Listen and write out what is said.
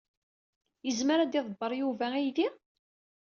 Yezmer ad d-iḍebber Yuba aydi?